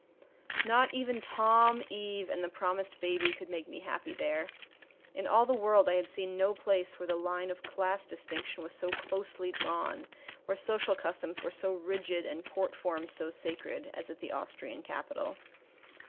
Not even Tom, Eve, and the promised baby could make me happy there. In all the world I had seen no place where the line of class distinction was so closely drawn, where social customs were so rigid and court forms so sacred, as at the Austrian capital.